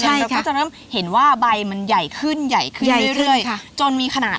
แล้วก็จะนับเห็นว่าใบมันใหญ่ขึ้น